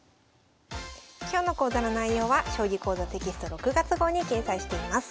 今日の講座の内容は「将棋講座」テキスト６月号に掲載しています。